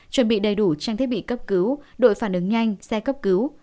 chuẩn bị đầy đủ trang thiết bị cấp cứu đội phản ứng nhanh xe cấp cứu